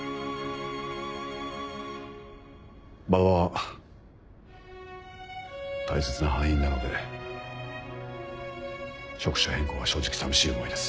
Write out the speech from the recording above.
馬場は大切な班員なので職種変更は正直寂しい思いです。